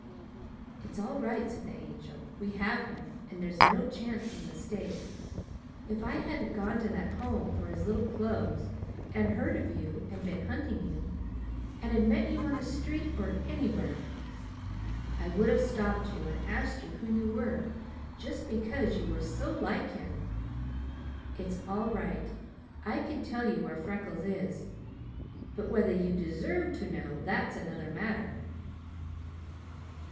"It's all right," said the Angel. "We have him, and there's no chance of a mistake. If I hadn't gone to that Home for his little clothes, and heard of you and been hunting you, and had met you on the street, or anywhere, I would have stopped you and asked you who you were, just because you are so like him. It's all right. I can tell you where Freckles is; but whether you deserve to know that's another matter!"